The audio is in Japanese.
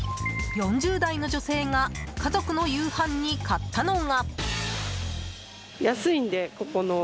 ４０代の女性が家族の夕飯に買ったのが。